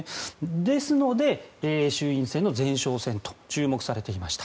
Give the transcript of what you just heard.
ですので、衆院選の前哨戦と注目されていました。